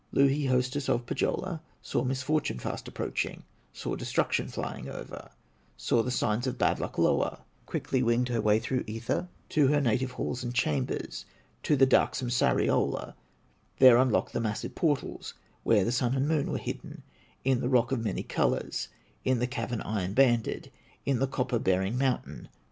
Louhi, hostess of Pohyola, Saw misfortune fast approaching, Saw destruction flying over, Saw the signs of bad luck lower; Quickly winged her way through ether To her native halls and chambers, To the darksome Sariola, There unlocked the massive portals Where the Sun and Moon were hidden, In the rock of many colors, In the cavern iron banded, In the copper bearing mountain.